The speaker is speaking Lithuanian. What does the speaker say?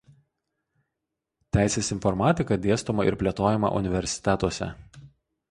Teisės informatika dėstoma ir plėtojama universitetuose.